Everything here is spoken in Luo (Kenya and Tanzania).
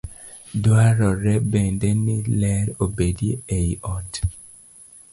Dwarore bende ni ler obedie ei ot.